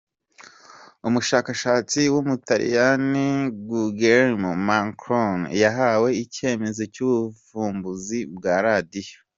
Umushakashatsi w’umutaliyani Guglielmo Marconi yahawe icyemezo cy’ubuvumbuzi bwa Radiyo.